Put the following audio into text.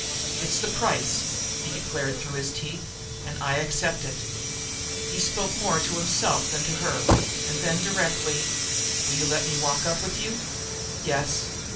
"It's the price," he declared through his teeth, "and I accept it." He spoke more to himself than to her, and then directly: "Will you let me walk up with you?" "Yes."